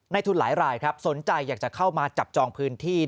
ทุนหลายรายครับสนใจอยากจะเข้ามาจับจองพื้นที่